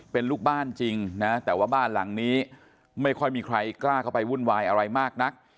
เป็นลูกบ้านจริงนะแต่ว่าบ้านหลังนี้ไม่ค่อยมีใครกล้าเข้าไปวุ่นวายอะไรมากนัก